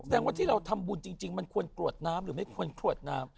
ว่าที่เราทำบุญจริงมันควรกรวดน้ำหรือไม่ควรกรวดน้ำ